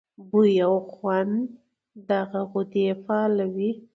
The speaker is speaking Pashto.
بوۍ او خوند دغه غدې فعالوي.